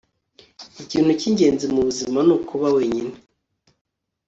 ikintu cyingenzi mubuzima nukuba wenyine